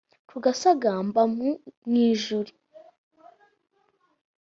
rugasagamba mu ijuri